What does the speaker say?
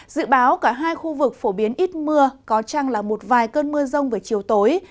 dự báo cả hai khu vực phổ biến ít mưa có chăng là một vài cơn mưa rông về chiều tối